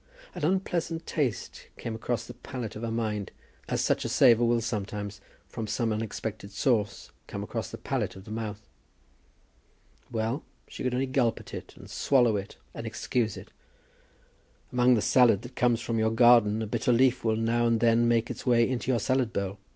An unpleasant taste came across the palate of her mind, as such a savour will sometimes, from some unexpected source, come across the palate of the mouth. Well; she could only gulp at it, and swallow it and excuse it. Among the salad that comes from your garden a bitter leaf will now and then make its way into your salad bowl.